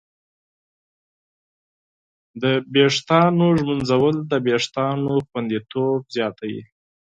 د ویښتانو ږمنځول د وېښتانو خوندیتوب زیاتوي.